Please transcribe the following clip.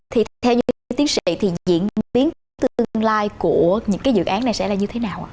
thì theo như tiến sĩ thì diễn biến của tương lai của những cái dự án này sẽ là như thế nào ạ